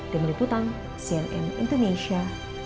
di meliputan cnm indonesia